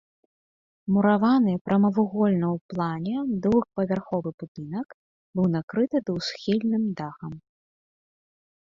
Мураваны прамавугольны ў плане двухпавярховы будынак быў накрыты двухсхільным дахам.